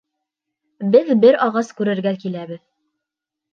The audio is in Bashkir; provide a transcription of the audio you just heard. Беҙ бер ағас күрергә киләбеҙ.